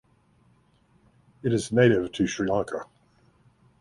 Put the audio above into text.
It is native to Sri Lanka.